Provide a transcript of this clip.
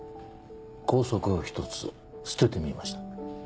校則を１つ捨ててみました。